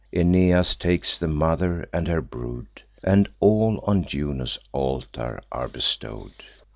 Aeneas takes the mother and her brood, And all on Juno's altar are bestow'd.